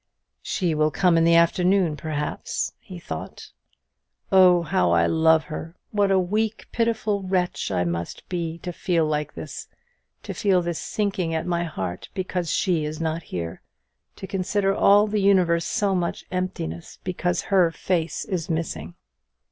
"She will come in the afternoon, perhaps," he thought. "Oh, how I love her! what a weak pitiful wretch I must be to feel like this; to feel this sinking at my heart because she is not here; to consider all the universe so much emptiness because her face is missing!"